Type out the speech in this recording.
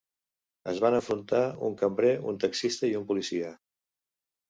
Es van enfrontar un cambrer, un taxista i un policia.